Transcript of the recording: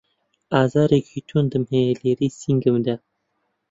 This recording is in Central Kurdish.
ئازارێکی توندم هەیە لێرەی سنگمدا